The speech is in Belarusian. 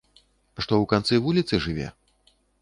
Што ў канцы вуліцы жыве?